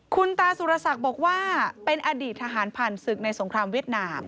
คุณตาสุรศักดิ์บอกว่าเป็นอดีตทหารผ่านศึกในสงครามเวียดนาม